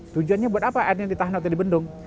tujuannya buat apa airnya ditahanati di bendung